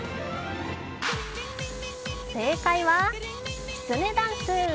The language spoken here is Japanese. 正解はきつねダンス。